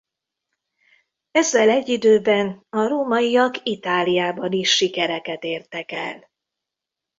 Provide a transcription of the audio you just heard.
Ezzel egy időben a rómaiak Itáliában is sikereket értek el.